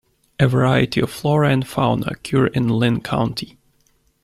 A variety of flora and fauna occur in Linn County.